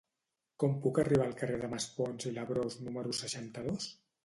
Com puc arribar al carrer de Maspons i Labrós número seixanta-dos?